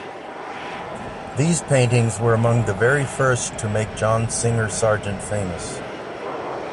These paintings were among the very first to make John Singer Sargent famous.